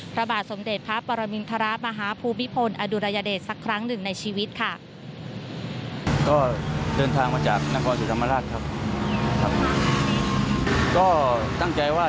พระบาทสมเด็จพระปรมินทรมาฮภูมิพลอดุรยเดชสักครั้งหนึ่งในชีวิตค่ะ